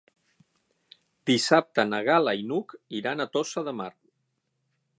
Dissabte na Gal·la i n'Hug iran a Tossa de Mar.